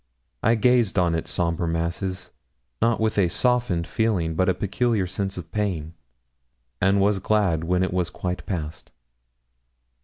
I gazed on its sombre masses not with a softened feeling, but a peculiar sense of pain, and was glad when it was quite past.